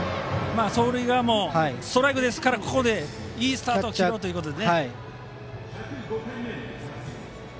走塁が、ストライクなのでいいスタートを切ろうということで。